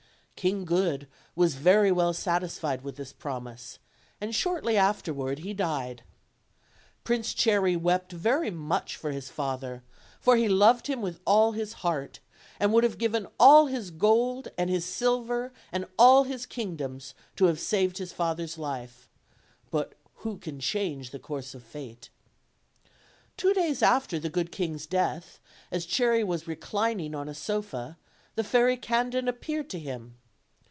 King Good was very well satisfied with this promise, and shortly afterward he died. Prince Cherry wept very OLD, OLD FAIEY TALES. much for his father, for he loved him with all his heart, and would have given all his gold, and his silver, and all his kingdoms, to have saved his father's life: but what can change the course of fate? Two days after the good king's death, as Cherry was reclining on a sofa, the Fairy Candid appeared to him.